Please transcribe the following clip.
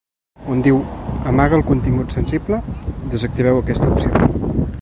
On diu ‘Amaga el contingut sensible’, desactiveu aquesta opció.